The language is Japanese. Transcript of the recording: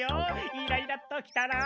イライラッときたら？